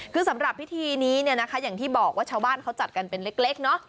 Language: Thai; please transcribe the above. คือสำหรับพิธีนี้เนี่ยนะคะอย่างที่บอกว่าชาวบ้านเขาจัดกันเป็นเล็กเนาะ